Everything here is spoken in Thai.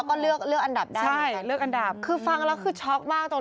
โอ้โฮรุ่นเรารุ่นสุดท้าย